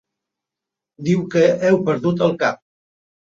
Dieu que heu perdut el cap.